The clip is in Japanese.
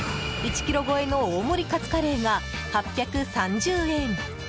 １ｋｇ超えの大盛りカツカレーが８３０円。